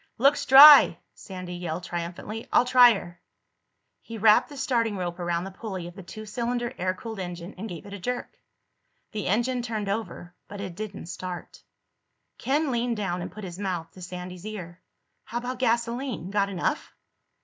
"Looks dry!" Sandy yelled triumphantly. "I'll try her." He wrapped the starting rope around the pulley of the two cylinder air cooled engine and gave it a jerk. The engine turned over, but it didn't start. Ken leaned down and put his mouth to Sandy's ear. "How about gasoline? Got enough?"